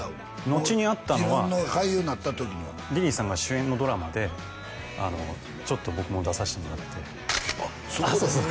のちに会ったのは自分の俳優になった時にはリリーさんが主演のドラマでちょっと僕も出させてもらってあっそうそう